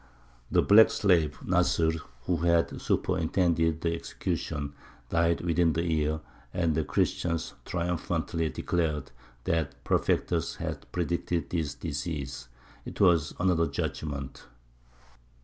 The black slave, Nasr, who had superintended the execution, died within the year, and the Christians triumphantly declared that Perfectus had predicted his decease: "It was another judgment!"